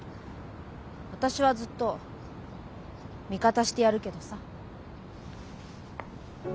私はずっと味方してやるけどさ。